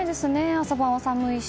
朝晩は寒いし。